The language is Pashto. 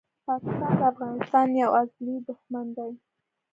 پاکستان د افغانستان یو ازلي دښمن دی!